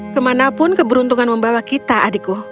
kemanapun keberuntungan membawa kita adikku